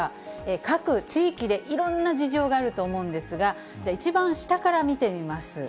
各地域でいろんな事情があると思うんですが、一番下から見てみます。